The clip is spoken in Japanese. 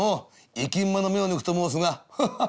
『生き馬の目を抜く』と申すがハハッ